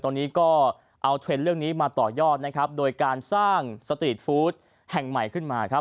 ตอนนี้ก็เอาเทรนด์เรื่องนี้มาต่อยอดนะครับโดยการสร้างสตรีทฟู้ดแห่งใหม่ขึ้นมาครับ